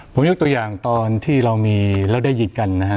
ผมยกตัวอย่างตอนที่เรามีแล้วได้ยินกันนะฮะ